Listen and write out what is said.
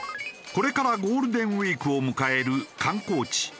これからゴールデンウィークを迎える観光地。